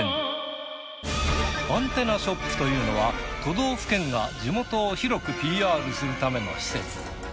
アンテナショップというのは都道府県が地元を広くＰＲするための施設。